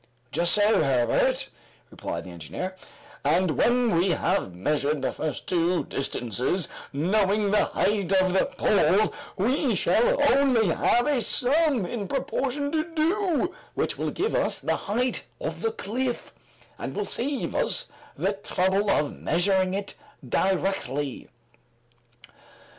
"Just so, Herbert," replied the engineer; "and when we have measured the two first distances, knowing the height of the pole, we shall only have a sum in proportion to do, which will give us the height of the cliff, and will save us the trouble of measuring it directly."